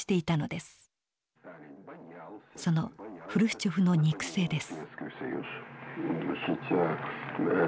そのフルシチョフの肉声です。